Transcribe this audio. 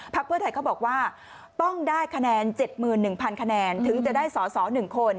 เพื่อไทยเขาบอกว่าต้องได้คะแนน๗๑๐๐คะแนนถึงจะได้สอสอ๑คน